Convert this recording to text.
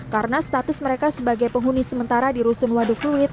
karena status mereka sebagai penghuni sementara di rusunawa waduk pluit